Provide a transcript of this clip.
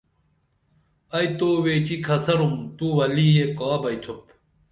ائی تو ویچی کھسرُم تو ولی یہ کا بئتُھوپ